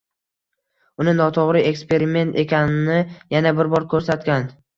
Uni notoʻgʻri eksperiment ekanini yana bir bor koʻrsatgan.